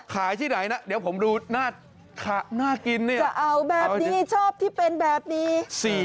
ที่ไหนนะเดี๋ยวผมดูน่ากินเนี่ยจะเอาแบบนี้ชอบที่เป็นแบบนี้